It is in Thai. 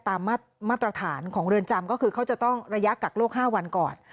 มาตรฐานของเรือนจำก็คือเขาจะต้องระยะกักโลก๕วันก่อน